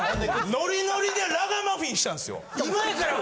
ノリノリでラガマフィンしたんですよ。